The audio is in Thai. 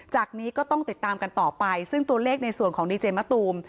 นี้ก็ต้องติดตามกันต่อไปซึ่งตัวเลขในส่วนของดีเจมะตูม